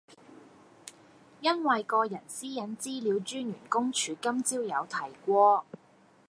因為個人私隱資料專員公署今朝有提過